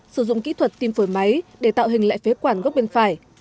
sử dụng kỹ thuật tiêm phổi máy để tạo hình lại phế quản gốc bên phải